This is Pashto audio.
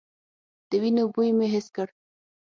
د وينو بوی مې حس کړ.